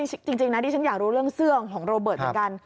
จริงนะดิฉันอยากรู้เรื่องเสื้อของโรเบิร์ตเหมือนกัน